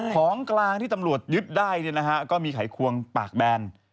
ของกลางที่ตำรวจยึดได้ก็มีไขควงปากแบน